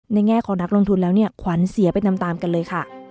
ในแง่ของนักลงทุนแล้วขวัญเสียไปตามกันเลย